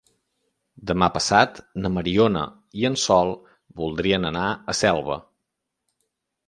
Demà passat na Mariona i en Sol voldrien anar a Selva.